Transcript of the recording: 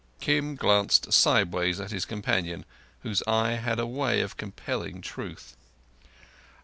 Kim glanced sideways at his companion, whose eye had a way of compelling truth.